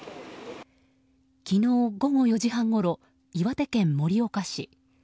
昨日午後４時半ごろ岩手県盛岡市。